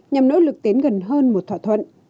nhằm nỗ lực tiến gần hơn một thỏa thuận